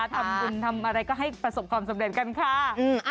ทำอะไรก็ให้ประสบความสำเร็จกันค่ะ